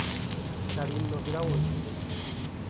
Karin não virá hoje.